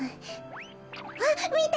あっみて！